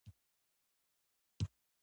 د زده کړې او وړتیاوو فرصتونه مساوي نه دي.